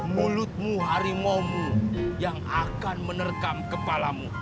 mulutmu harimau mu yang akan menerkam kepalamu